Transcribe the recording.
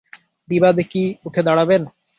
বিবাদী কী উঠে দাঁড়াবেন?